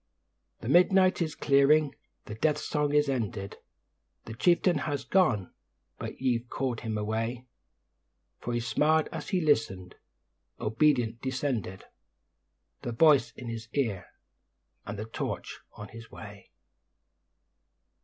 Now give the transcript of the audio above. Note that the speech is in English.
The midnight is clearing; the Death song is ended. The Chieftain has gone, but ye've called him away; For he smiled as he listened, obedient ascended, The voice in his ear, and the torch on his way.